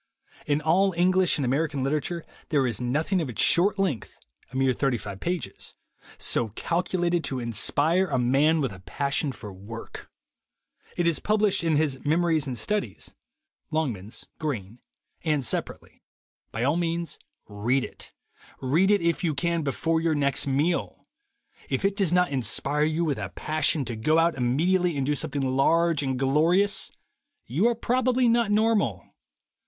In all English and American literature there is nothing of its short length — a mere thirty five pages — so calculated to inspire a man with a passion for work. It is published in his Memories and Studies, (Long 138 THE WAY TO WILL POWER mans, Green) and separately. By all means, read it. Read it, if you can, before your next meal. If it does not inspire you with a passion to go out immediately and do something large and glorious, you are probably not normal.